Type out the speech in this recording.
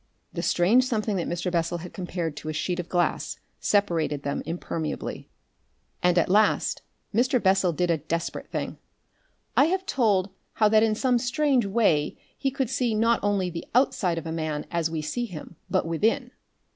The strange something that Mr. Bessel has compared to a sheet of glass separated them impermeably. And at last Mr. Bessel did a desperate thing. I have told how that in some strange way he could see not only the outside of a man as we see him, but within.